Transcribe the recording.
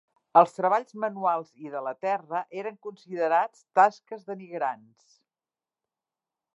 Els treballs manuals i de la terra eren considerats tasques denigrants.